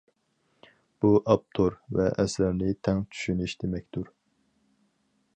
بۇ، ئاپتور ۋە ئەسەرنى تەڭ چۈشىنىش دېمەكتۇر.